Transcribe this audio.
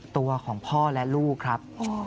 ตัวของพ่อและลูกครับ